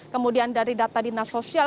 kemudian dari data dinas sosial